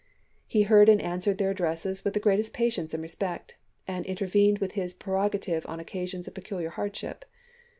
He heard and answered their addresses with the greatest patience and respect, and intervened with his prerogative on occasions of peculiar hardship.